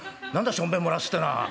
しょんべん漏らすってのは。